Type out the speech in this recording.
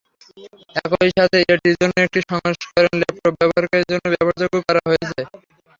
একই সাথে এটির অন্য একটি সংস্করণ ডেস্কটপ ব্যবহারকারীদের জন্য ব্যবহারযোগ্য করা হয়েছে।